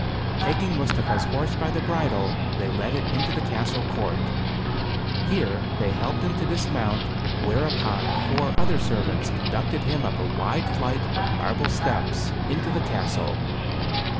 Taking Musta pha's horse by the bridle, they led it into the castle 174 THE CAE AVAN. court. Here they helped him to dismount, whereupon four other servants conducted him up a wide flight of marble steps, into the castle.